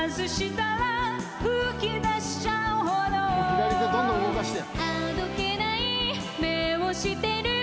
左手どんどん動かして。